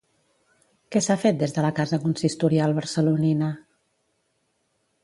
Què s'ha fet des de la casa consistorial barcelonina?